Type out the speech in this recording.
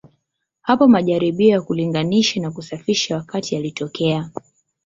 Hapo majaribio ya kulinganisha na kusafisha wakati yalitokea.